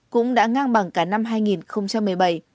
cũng đã ngang bằng cả năm hai nghìn một mươi bảy